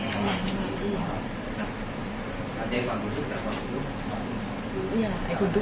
ที่เดี๋ยวกันด้วยมันจะสรุปได้